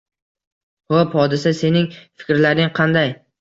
Ho‘p, Hodisa, sening fikrlaring qanday?